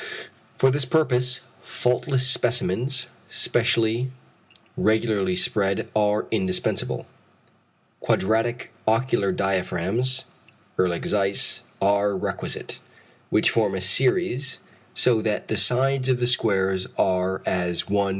For this purpose, faultless specimens, specially regularly spread, are indispensable. Quadratic ocular diaphragms (Ehrlich Zeiss) are requisite, which form a series, so that the sides of the squares are as 1:2:3